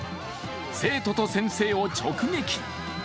生徒と先生を直撃。